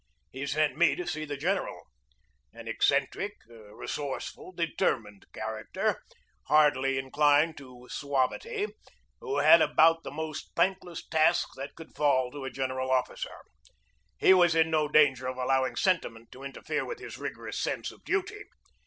He sent me to see the general, an eccentric, resourceful, determined character, hardly inclined to suavity, who had about the most thank less task that could fall to a general officer. He was IN NEW ORLEANS 79 in no danger of allowing sentiment to interfere with his rigorous sense of duty.